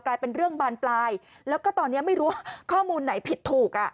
กลายเป็นเรื่องบานปลายแล้วก็ตอนนี้ไม่รู้ว่าข้อมูลไหนผิดถูกอ่ะ